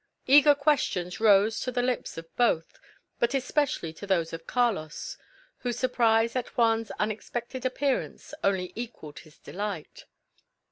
Eager questions rose to the lips of both, but especially to those of Carlos, whose surprise at Juan's unexpected appearance only equalled his delight.